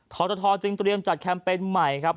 ทรทจึงเตรียมจัดแคมเปญใหม่ครับ